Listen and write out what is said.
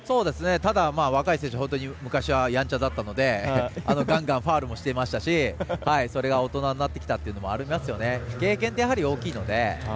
ただ若い選手本当に昔はやんちゃだったのでがんがんファウルもしていましたしそれが大人になっていったというのもありますよね。